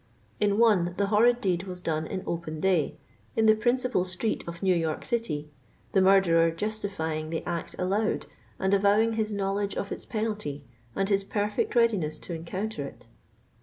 In one the horrid deed was done in open day, in the principal street of New York city, the murderer "justifying the act aloud, and avowing his knowledge of its penalty, and hi« perfect readiness to encounter it."